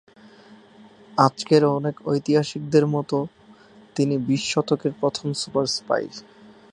আজকের অনেক ঐতিহাসিকদের মতে তিনি বিশ শতকের প্রথম সুপার স্পাই।